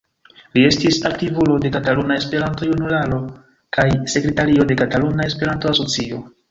Li estis aktivulo de Kataluna Esperanto-Junularo kaj sekretario de Kataluna Esperanto-Asocio.